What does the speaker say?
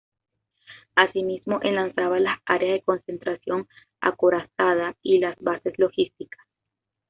Asimismo enlazaba las áreas de concentración acorazada y las bases logísticas.